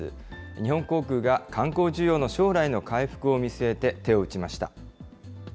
日本航空が観光需要の将来の回復を見据えて手を打ちました。